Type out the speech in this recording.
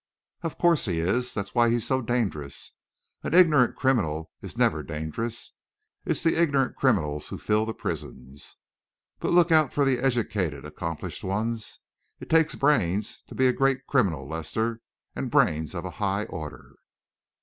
"Of course he is. That's why he's so dangerous. An ignorant criminal is never dangerous it's the ignorant criminals who fill the prisons. But look out for the educated, accomplished ones. It takes brains to be a great criminal, Lester, and brains of a high order."